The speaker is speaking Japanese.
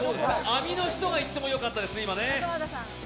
網の人がいってもよかったですね。